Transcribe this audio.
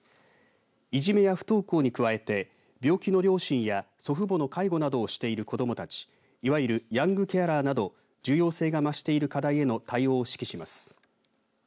いじめや不登校に加えて病気の両親や祖父母の介護などをしている子どもたち、いわゆるヤングケアラーなど重要性が増している課題への対応を指揮します。